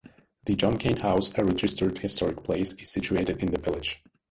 The John Kane House, a registered historic place, is situated in the village.